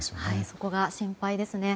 そこが心配ですね。